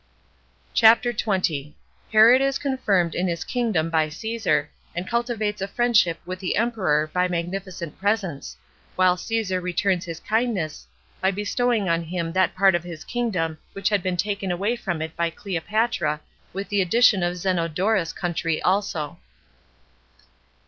CHAPTER 20. Herod Is Confirmed In His Kingdom By Caesar, And Cultivates A Friendship With The Emperor By Magnificent Presents; While Caesar Returns His Kindness By Bestowing On Him That Part Of His Kingdom Which Had Been Taken Away From It By Cleopatra With The Addition Of Zenodoruss Country Also.